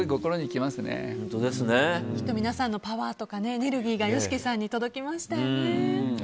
きっと皆さんのパワーとかエネルギーがＹＯＳＨＩＫＩさんに届きましたよね。